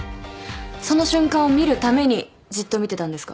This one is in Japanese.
その瞬間を見るためにじっと見てたんですか？